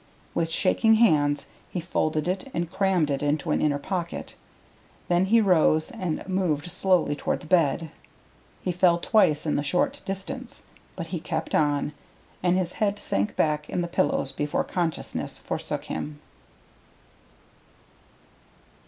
With shaking hands he folded it and crammed it into an inner pocket; then he rose and moved slowly toward the bed. He fell twice in the short distance, but he kept on, and his head sank back in the pillows before consciousness forsook him.